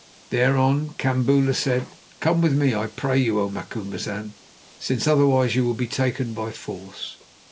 Thereon Kambula said: "Come with me, I pray you, O Macumazahn, since otherwise you will be taken by force."